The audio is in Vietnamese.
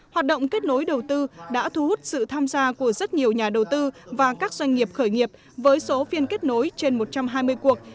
hoạt động kết nối đầu tư đã thu hút sự tham gia của rất nhiều nhà đầu tư và các doanh nghiệp khởi nghiệp với số phiên kết nối trên một trăm hai mươi cuộc